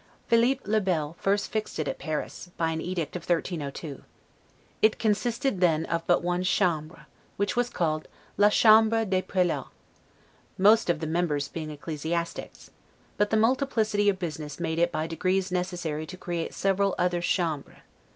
Philip le Bel first fixed it at Paris, by an edict of 1302. It consisted then of but one chambre, which was called 'la Chambre des Prelats', most of the members being ecclesiastics; but the multiplicity of business made it by degrees necessary to create several other chambres.